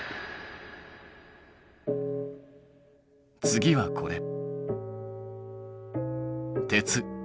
次はこれ。